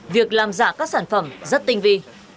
việc làm giả các sản phẩm rất tinh vi